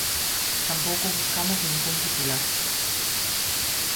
Tampouco buscamos ningún titular.